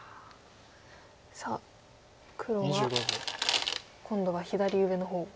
さあ黒は今度は左上の方を。